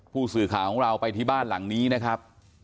ผู้สื่อข่าวของเราไปที่บ้านหลังนี้นะครับ